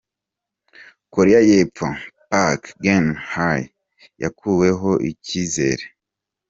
Korea yepfo: Park Geun-hye yakuweko icizere.